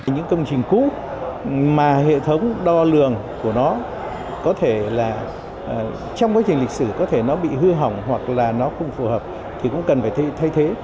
những công trình cũ mà hệ thống đo lường của nó có thể là trong quá trình lịch sử có thể nó bị hư hỏng hoặc là nó không phù hợp thì cũng cần phải thay thế